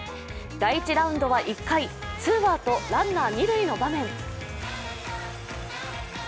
第１ラウンドは１回、ツーアウトランナー二塁の場面。